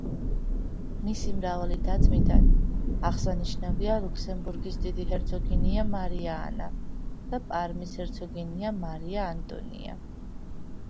მისი მრავალი და-ძმიდან აღსანიშნავია ლუქსემბურგის დიდი ჰერცოგინია მარია ანა და პარმის ჰერცოგინია მარია ანტონია.